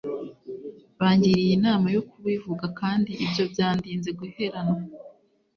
Bangiriye inama yo kubivuga kandi ibyo byandinze guheranwa